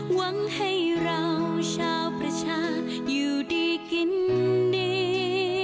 หวังให้เราชาวประชาอยู่ดีกินดี